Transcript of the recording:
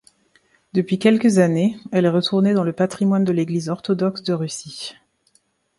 Depuis quelques années elle est retournée dans le patrimoine de l'église orthodoxe de Russie.